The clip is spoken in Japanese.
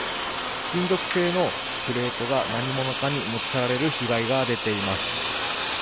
金属製のプレートが何者かに持ち去られる被害が出ています。